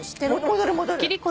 戻る戻る。